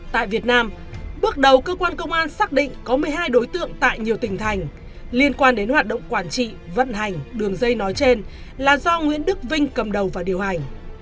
tại việt nam bước đầu cơ quan công an xác định có một mươi hai đối tượng tại nhiều tỉnh thành liên quan đến hoạt động quản trị vận hành đường dây nói trên là do nguyễn đức vinh cầm đầu và điều hành